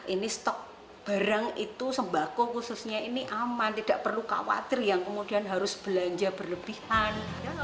ini stok barang itu sembako khususnya ini aman tidak perlu khawatir yang kemudian harus belanja berlebihan